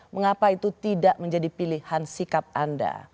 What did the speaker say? mengapa itu tidak menjadi pilihan sikap anda